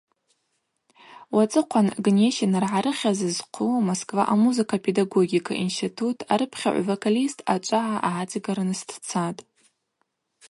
Уацӏыхъван Гнесинргӏа рыхьыз зхъу Москва амузыка-педагогика институт арыпхьагӏв-вокалист ъачӏвагӏа гӏацӏигарныс дцатӏ.